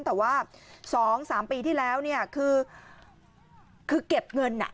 แต่ว่า๒๓ปีที่แล้วคือเก็บเงินหนัก